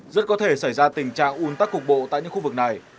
rất có thể xảy ra tình trạng un tắc cục bộ tại những khu vực này